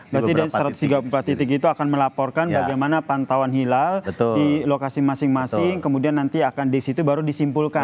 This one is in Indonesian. berarti dari satu ratus tiga puluh empat titik itu akan melaporkan bagaimana pantauan hilal di lokasi masing masing kemudian nanti akan di situ baru disimpulkan